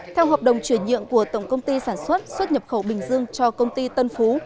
theo hợp đồng chuyển nhượng của tổng công ty sản xuất xuất nhập khẩu bình dương cho công ty tân phú